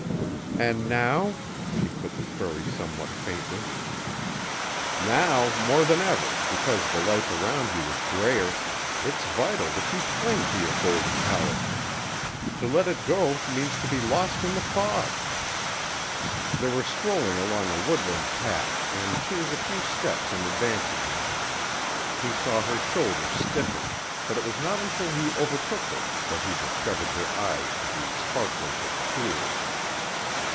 "And now?" She put the query somewhat faintly. "Now, more than ever, because the life around you is grayer, it's vital that you cling to your golden talisman. To let it go means to be lost in the fog." They were strolling along a woodland path and she was a few steps in advance of him. He saw her shoulders stiffen, but it was not until he overtook her that he discovered her eyes to be sparkling with tears.